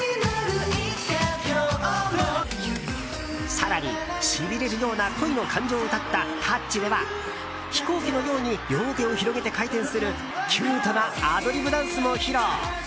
更に、しびれるような恋の感情を歌った「Ｔｏｕｃｈ！」では飛行機のように両手を広げて回転するキュートなアドリブダンスも披露。